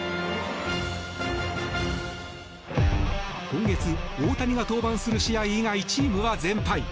今月、大谷が登板する試合以外チームは全敗。